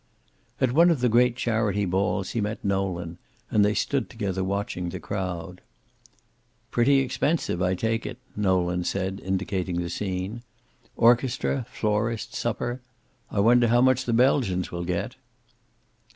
At one of the great charity balls he met Nolan, and they stood together watching the crowd. "Pretty expensive, I take it," Nolan said, indicating the scene. "Orchestra, florist, supper I wonder how much the Belgians will get."